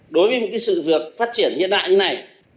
đối với sự vượt phát triển hiện đại như này